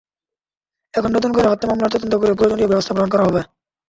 এখন নতুন করে হত্যা মামলার তদন্ত করে প্রয়োজনীয় ব্যবস্থা গ্রহণ করা হবে।